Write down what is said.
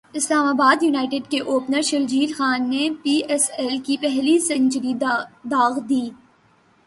اسلام ابادیونائیٹڈ کے اوپنر شرجیل خان نے P S L کی پہلی سنچری داغ دی